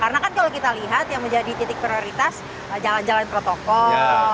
karena kan kalau kita lihat yang menjadi titik prioritas jalan jalan protokol